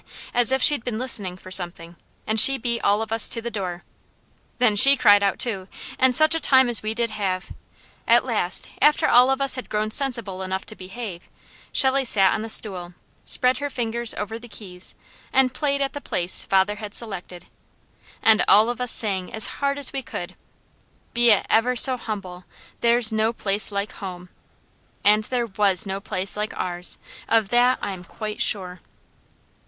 as if she'd been listening for something, and she beat all of us to the door. Then she cried out too, and such a time as we did have. At last after all of us had grown sensible enough to behave, Shelley sat on the stool, spread her fingers over the keys and played at the place father had selected, and all of us sang as hard as we could: "Be it ever so humble, There's no place like home;" and there WAS no place like ours, of THAT I'm quite sure.